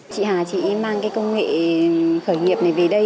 chị hà chị mang cái công nghệ khởi nghiệp này về đây